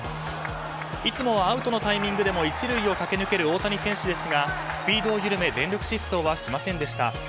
いつもはアウトのタイミングでも１塁を駆け抜ける大谷選手ですがスピードを緩め全力疾走はしませんでした。